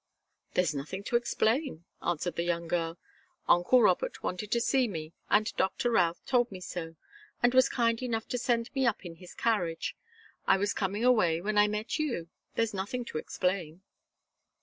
"There's nothing to explain," answered the young girl. "Uncle Robert wanted to see me, and Doctor Routh told me so, and was kind enough to send me up in his carriage. I was coming away when I met you. There's nothing to explain."